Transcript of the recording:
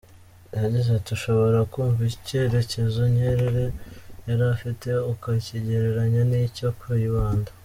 Yagize ati: ”…ushobora kumva icyerekezo Nyerere yari afite ukakigereranya n’icya Kayibanda.